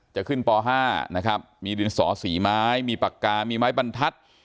จะขึ้นป๕นะครับมีดินสอสีไม้มีปากกามีไม้บรรทัศน์